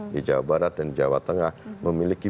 di jawa barat dan jawa tengah memiliki